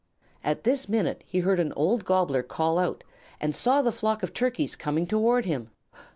At this minute he heard an old Gobbler call out, and saw the flock of Turkeys coming toward him.